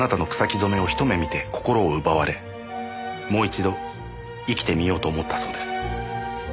染めを一目見て心を奪われもう一度生きてみようと思ったそうです。